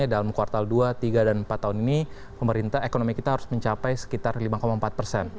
dalam kuartal dua tiga dan empat tahun ini ekonomi kita harus mencapai sekitar lima empat persen